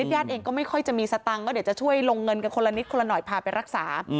ญาติเองก็ไม่ค่อยจะมีสตังค์ก็เดี๋ยวจะช่วยลงเงินกันคนละนิดคนละหน่อยพาไปรักษา